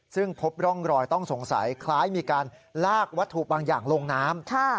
ซึ่งพบร่องรอยต้องสงสัยคล้ายมีการลากวัตถุบางอย่างลงน้ำ